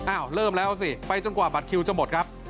เริ่มแล้วสิไปจนกว่าบัตรคิวจะหมดครับ